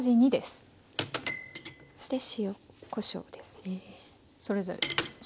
そして塩・こしょうですね。